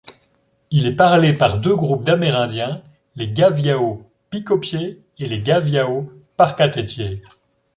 Il est parlé par deux groupes d'Amérindiens, les Gavião Pykobjê et les Gavião Parkatejê.